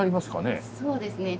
そうですね